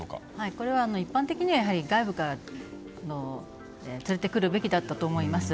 やはり一般的には外部から連れてくるべきだったと思います。